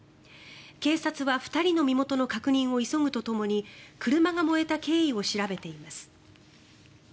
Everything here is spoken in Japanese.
警察は２人の身元の確認を急ぐとともに車が燃えた経緯を調べています。